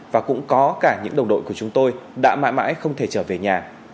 và cũng có cả những đồng đội của chúng tôi đã mãi mãi không thể trở về nhà